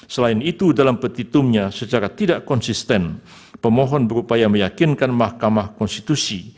selain itu dalam petitumnya secara tidak konsisten pemohon berupaya meyakinkan mahkamah konstitusi